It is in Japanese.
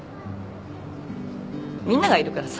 みんながいるからさ。